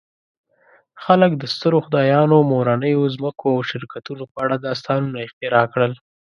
خلک د سترو خدایانو، مورنیو ځمکو او شرکتونو په اړه داستانونه اختراع کړل.